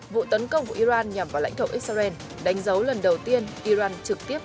vụ tấn công của iran nhằm vào lãnh thổ israel đánh dấu lần đầu tiên iran trực tiếp